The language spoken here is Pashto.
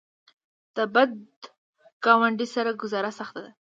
د بد ګاونډي سره ګذاره سخته ده.